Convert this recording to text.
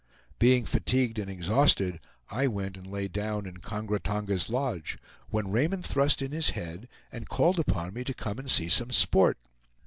Being fatigued and exhausted, I went and lay down in Kongra Tonga's lodge, when Raymond thrust in his head, and called upon me to come and see some sport.